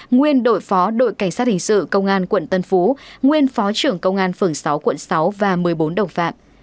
nguyên đội phó đội cảnh sát hình sự công an quận tân phú nguyên phó trưởng công an phường sáu quận sáu và một mươi bốn đồng phạm